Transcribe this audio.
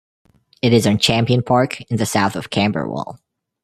It is on Champion Park in the south of Camberwell.